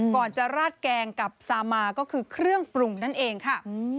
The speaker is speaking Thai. ก่อนจะราดแกงกับซามาก็คือเครื่องปรุงนั่นเองค่ะ